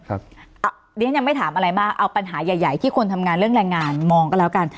เดี๋ยวฉันยังไม่ถามอะไรมากเอาปัญหาใหญ่ที่คนทำงานเรื่องแรงงานมองก็แล้วกัน